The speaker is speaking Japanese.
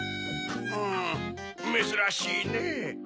んめずらしいねぇ。